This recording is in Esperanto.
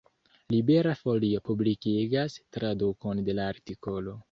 Libera Folio publikigas tradukon de la artikolo.